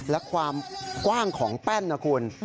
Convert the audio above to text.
และความกว้างของแป้นนะคุณ